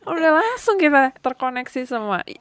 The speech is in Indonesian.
udah langsung kita terkoneksi semua